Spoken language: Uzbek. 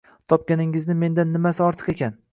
Topganingizni mendan nimasi ortiq ekan